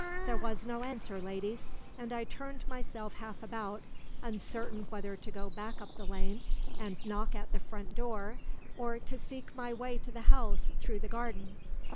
"There was no answer, ladies, and I turned myself half about, uncertain whether to go back up the lane and knock at the front door or to seek my way to the house through the garden.